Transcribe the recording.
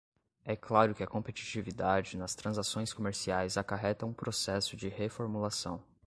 É claro que a competitividade nas transações comerciais acarreta um processo de reformulação